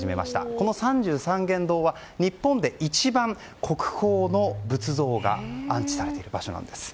この三十三間堂は日本で一番、国宝の仏像が安置されている場所なんです。